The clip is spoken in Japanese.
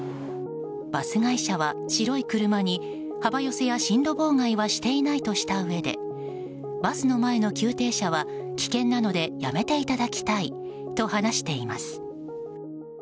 バス会社は白い車に幅寄せや進路妨害はしていないとしたうえでバスの前の急停車は危険なのでやめていただきたいと話しています。